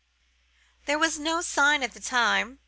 There was no sign at the time.